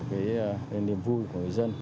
cái niềm vui của người dân